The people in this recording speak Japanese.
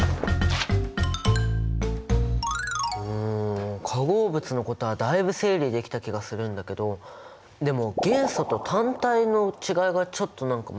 うん化合物のことはだいぶ整理できた気がするんだけどでも元素と単体の違いがちょっと何か紛らわしいんだよね。